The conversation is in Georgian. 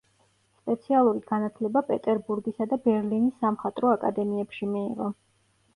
სპეციალური განათლება პეტერბურგისა და ბერლინის სამხატვრო აკადემიებში მიიღო.